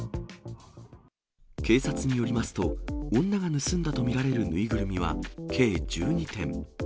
警察によりますと、女が盗んだと見られる縫いぐるみは、計１２点。